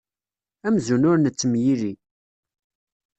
Amzun ur nettemyili.